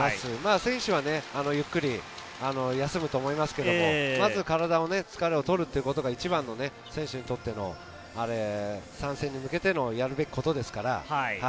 選手はゆっくり休むと思いますけれども、体の疲れを取ることが一番の選手にとっての３戦に向けてやるべきことですから。